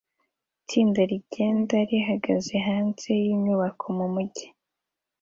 Itsinda rigenda rihagaze hanze yinyubako mumujyi